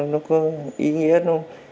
nó có ý nghĩa đâu